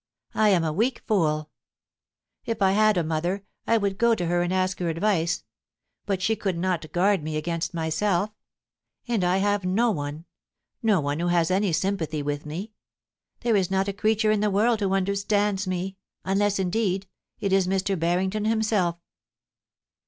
I am a weak fooL ... If I had a mother, I would go to her and ask her advice. But she could not guard me against myselfl And I have no one — no one who has any sympathy with me. There is not a creature in the world who understands me — unless, indeed, it is Mr. Barrington himself.'